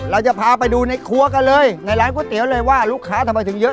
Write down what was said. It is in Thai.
เราจะพาไปดูในครัวกันเลยในร้านก๋วยเตี๋ยวเลยว่าลูกค้าทำไมถึงเยอะ